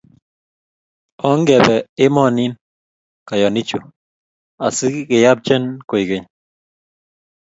Ongebe emonin, kayanichu as keyapchen koigeny